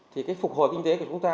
thì phục hồi kinh tế của chúng ta